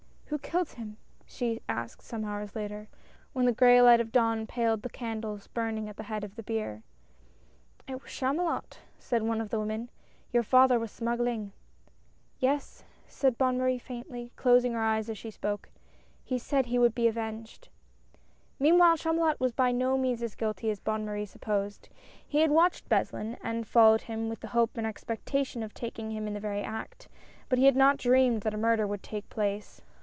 "Who killed him?" she asked, some hours later, when the gray light of dawn paled the candles burning at the head of the bier. " It was Chamulot," said one of the women ;" your father was smuggling." " Yes," said Bonne Marie faintly, closing her eyes as she spoke, " he said he would be avenged !" Meanwhile, Chamulot was by no means as guilty as Bonne Marie supposed. He had watched Beslin, and followed him with the hope and the expectation of taking him in the very act ; but he had not dreamed that a murder could take place.